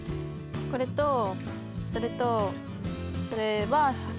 これとそれとそれは知ってる。